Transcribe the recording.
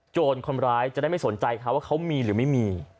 คนร้ายจะได้ไม่สนใจเขาว่าเขามีหรือไม่มี